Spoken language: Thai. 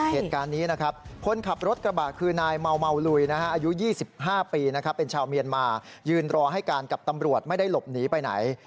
เหตุการณ์นี้นะครับคนขับรถกระบะคือนายเมาลุยอายุ๒๕ปีเป็นชาวเมียนมายืนรอให้การกับตำรวจไม่ได้หลบหนีไปไหน